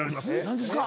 何ですか？